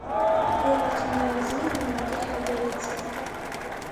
Իռացիոնալիզմի հիմնադիր հայրերից է։